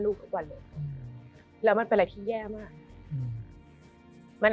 อุ้มค่ะ